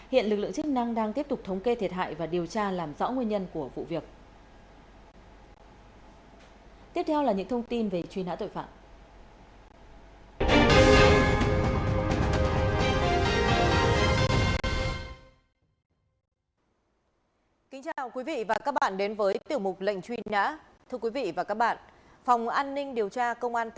hiện lực lượng chức năng đang tiếp tục thống kê thiệt hại và điều tra làm rõ nguyên nhân của vụ việc